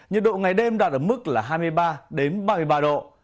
nhiệt độ ngày đêm đạt ở mức là hai mươi ba đến ba mươi ba độ